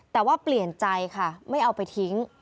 แต่ว่าเปลี่ยนใจค่ะไม่เอาไปทิ้ง